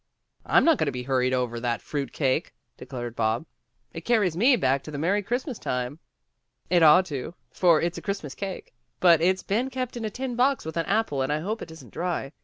"I'm not going to be hurried over that fruit cake," declared Bob. "It carries me back to the merry Christmas time." "It ought to, for it's a Christmas cake, but it's been kept in a tin box with an apple and I hope it isn't dry.